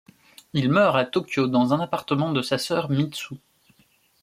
Il meurt à Tokyo dans un appartement de sa sœur Mitsu.